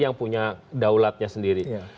yang punya daulatnya sendiri